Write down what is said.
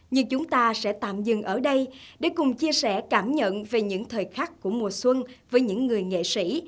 như chúng ta sẽ tạm dừng ở đây để cùng chia sẻ cảm nhận về những thời khắc của mùa xuân với những người nghệ sĩ